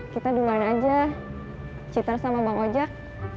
kita duluan aja citra sama bang ojak